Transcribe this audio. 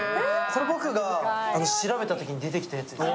それ、僕が調べたときに出てきたやつ。